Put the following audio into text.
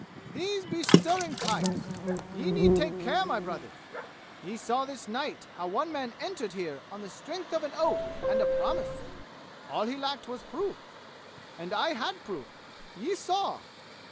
"These be stirring times! Ye need take care, my brothers! Ye saw this night how one man entered here on the strength of an oath and a promise. All he lacked was proof. And I had proof. Ye saw!